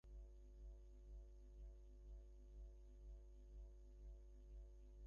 আচ্ছা, তো ভাবছি এটাকে ডিএফডব্লিউয়ের কাছে পৌঁছে দিয়ে আবার ওখানে হানা দেবো।